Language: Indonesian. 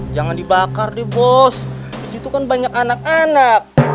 jangan dibakar di bos disitu kan banyak anak anak